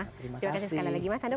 terima kasih sekali lagi mas ando